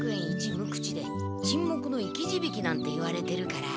無口で沈黙の生き字引なんて言われてるから。